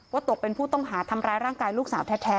ตกเป็นผู้ต้องหาทำร้ายร่างกายลูกสาวแท้